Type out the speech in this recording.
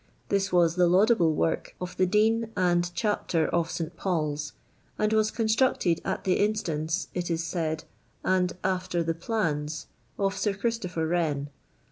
This was the laudable work of the Dean and Chapter of St Paul's, and was con structed at the instance, it is said, and after the plans, of Sir Christopher Wren.